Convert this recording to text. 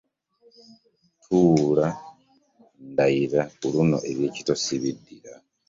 Tuula ndayira ku luno ebye'ekito sibiddira.